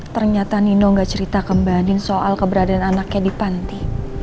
ternyata nino gak cerita ke mbak din soal keberadaan anaknya di panti